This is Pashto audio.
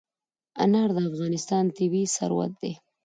انار د افغانستان طبعي ثروت دی.